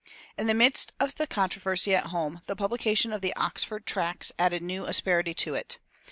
In the midst of the controversy at home the publication of the Oxford Tracts added new asperity to it.